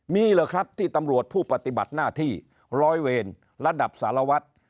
มีเหรอครับที่ตำรวจผู้ปฏิบัติหน้าที่ร้อยเวรระดับสารวัตร